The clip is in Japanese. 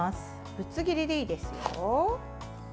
ぶつ切りでいいですよ。